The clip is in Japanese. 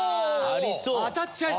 ありそう。